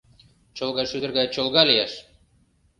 Чолгашӱдыр гай чолга лияш!